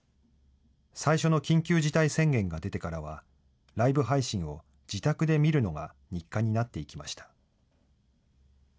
最初の緊急事態宣言が出てからは、ライブ配信を自宅で見るのが日課になっていきました。